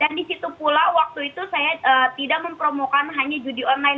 dan di situ pula waktu itu saya tidak mempromosikan hanya judi online